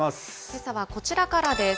けさはこちらからです。